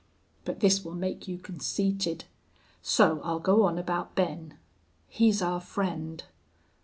But this will make you conceited. So I'll go on about Ben. He's our friend.